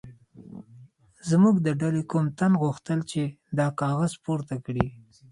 زموږ د ډلې کوم تن غوښتل چې دا کاغذ راپورته کړي.